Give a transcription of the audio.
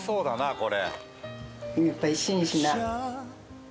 これ。